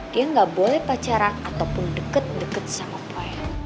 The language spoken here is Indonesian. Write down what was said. dia gak boleh pacaran ataupun deket deket sama boy